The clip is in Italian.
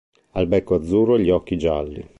Ha il becco azzurro e gli occhi gialli.